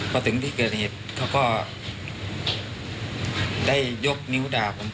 พอถึงที่เกณฑเขาก็ได้ยกนิ้วดาบ